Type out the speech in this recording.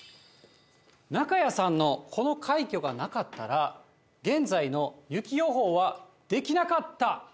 中谷さんのこの快挙がなかったら、現在の雪予報はできなかった？